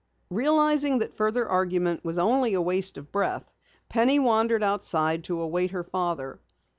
Realizing that further argument was only a waste of breath, Penny wandered outside to await her father.